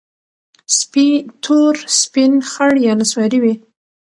سپي تور، سپین، خړ یا نسواري وي.